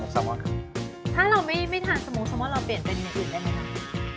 ถ้าเราไม่ทานสมุทรเราเปลี่ยนเป็นอย่างอื่นได้ไหมคะ